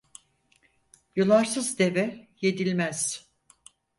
Yularsız deve yedilmez.